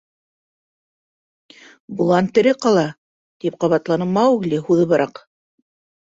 — Болан тере ҡала, — тип ҡабатланы Маугли һуҙыбыраҡ.